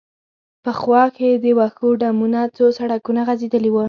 په خوا کې د وښو ډمونه، څو سړکونه غځېدلي و.